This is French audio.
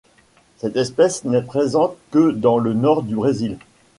Cette espèce n'est présente que dans le nord du Brésil.